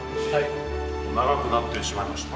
長くなってしまいました。